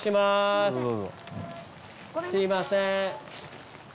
すいません。